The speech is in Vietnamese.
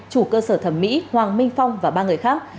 chủ cơ sở thẩm mỹ hoàng minh phong và ba người khác